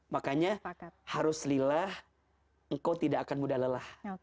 makanya harus lillah engkau tidak akan mudah lelah